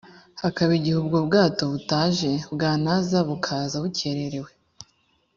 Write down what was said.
hakaba igihe ubwo bwato butaje bwanaza bukaza bwakererewe